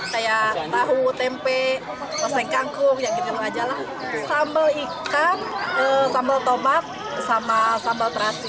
kayak tahu tempe maseng kangkung sambal ikan sambal tomat sama sambal terasi